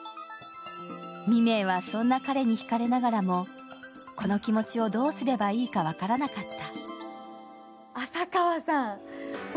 未明は、そんな彼にひかれながらもこの気持ちをどうすればいいか分からなかった。